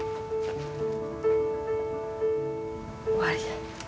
終わりだ。